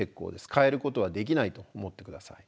変えることはできないと思って下さい。